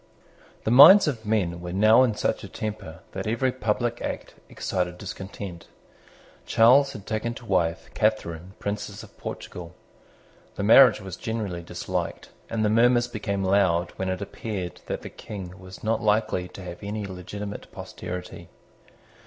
The minds of men were now in such a temper that every public act excited discontent. Charles had taken to wife Catharine Princess of Portugal. The marriage was generally disliked; and the murmurs became loud when it appeared that the King was not likely to have any legitimate posterity.